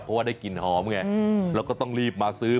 เพราะว่าได้กลิ่นหอมไงแล้วก็ต้องรีบมาซื้อ